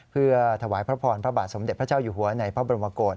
เพื่อถวายพระพรพระบาทสมเด็จพระเจ้าอยู่หัวในพระบรมกฏ